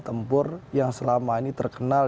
tempur yang selama ini terkenal